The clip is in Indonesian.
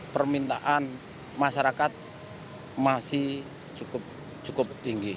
permintaan masyarakat masih cukup tinggi